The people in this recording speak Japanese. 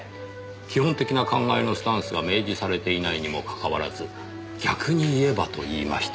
基本的な考えのスタンスが明示されていないにもかかわらず「逆に言えば」と言いました。